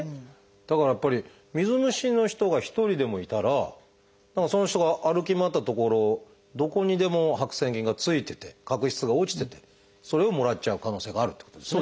だからやっぱり水虫の人が一人でもいたらその人が歩き回った所どこにでも白癬菌がついてて角質が落ちててそれをもらっちゃう可能性があるってことですね。